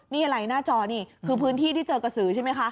นี่อะไรหน้าจอนี่คือพื้นที่ที่เจอกระสือใช่ไหมคะ